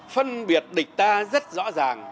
phân biệt địch ta rất rõ ràng